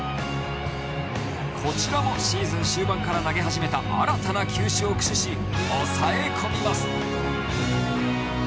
こちらもシーズン終盤から投げ始めた新たな球種を駆使し抑え込みます。